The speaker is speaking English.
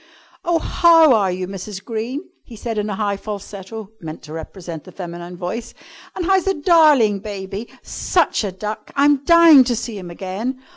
"Oh, how are you, Mrs. Green?" he said in a high falsetto, meant to represent the feminine voice. "And how's the darling baby? Such a duck! I'm dying to see him again!